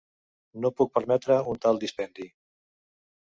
No puc permetre un tal dispendi.